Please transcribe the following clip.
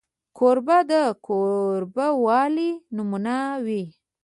کوربه د کوربهوالي نمونه وي.